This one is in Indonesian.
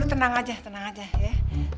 tenang aja tenang aja ya